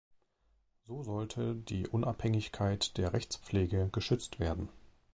So sollte die Unabhängigkeit der Rechtspflege geschützt werden.